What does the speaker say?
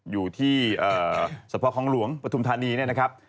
อยู่ที่สภาพคล้องหลวงปทุมธานีนะครับ